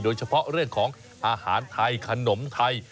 โดยเฉพาะเรื่องของอาหารไทยขนมไทย